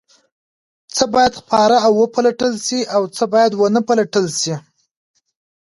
څه باید خپاره او وپلټل شي او څه باید ونه پلټل شي؟